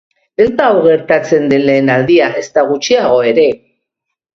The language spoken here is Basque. Ez da hau gertatzen den lehen aldia, ezta gutxiago ere.